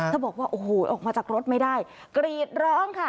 บอกว่าโอ้โหออกมาจากรถไม่ได้กรีดร้องค่ะ